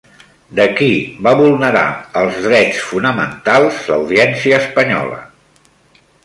De qui va vulnerar els drets fonamentals l'Audiència espanyola?